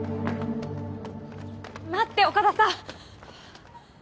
待って岡田さん！